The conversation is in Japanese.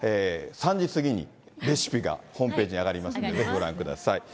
３時過ぎにレシピがホームページに上がりますんで、ぜひご覧ください。